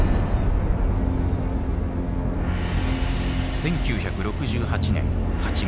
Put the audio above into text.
１９６８年８月。